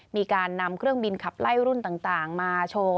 มีการนำเครื่องบินขับไล่รุ่นต่างมาโชว์